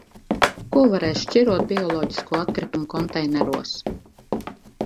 Ko varēs šķirot bioloģisko atkritumu konteineros?